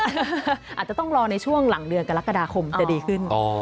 อาจจะต้องรอในช่วงหลังเดือนกรกฎาคมจะดีขึ้น